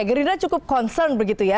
gerindra cukup concern begitu ya